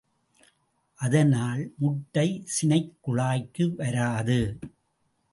அதனால் முட்டை சினைக் குழாய்க்கு வராது.